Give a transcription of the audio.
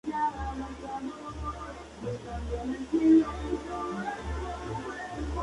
Reside en Tokio.